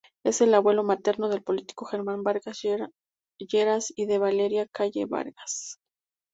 Es el abuelo materno del político Germán Vargas Lleras y de Valerie Calle Vargas.